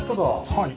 はい。